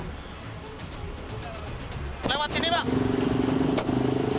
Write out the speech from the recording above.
lewat sini pak